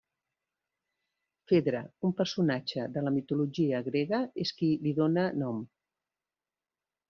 Fedra, un personatge de la mitologia grega és qui li dóna nom.